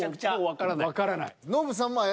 わからない。